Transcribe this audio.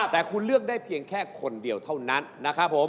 แต่คุณเลือกได้เพียงแค่คนเดียวเท่านั้นนะครับผม